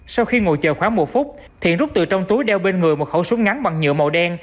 sau khi ngồi chờ khoảng một phút thiện rút từ trong túi đeo bên người một khẩu súng ngắn bằng nhựa màu đen